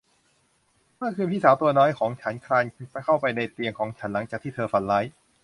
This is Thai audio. เมื่อคืนพี่สาวตัวน้อยของฉันคลานเข้าไปในเตียงของฉันหลังจากที่เธอฝันร้าย